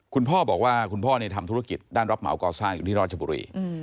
คุณพ่อบอกว่าคุณพ่อทำธุรกิจด้านรับเหมาก่อสร้างอยู่ที่ราชบุรี